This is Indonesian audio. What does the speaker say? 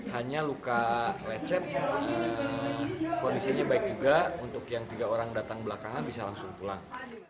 hanya luka lecet kondisinya baik juga untuk yang tiga orang datang belakangan bisa langsung pulang